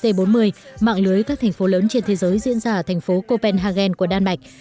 trong năm hai nghìn một mươi bốn mạng lưới các thành phố lớn trên thế giới diễn ra ở thành phố copenhagen của đan bạch